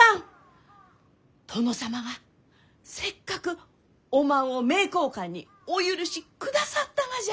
殿様がせっかくおまんを名教館にお許しくださったがじゃ！